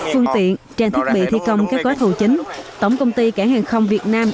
phương tiện trang thiết bị thi công các gói thầu chính tổng công ty cảng hàng không việt nam